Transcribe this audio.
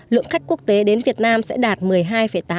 lượng khách quốc tế đến việt nam sẽ đạt một hai triệu lượt